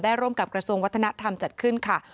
ร่วมกับกระทรวงวัฒนธรรมจัดขึ้นค่ะ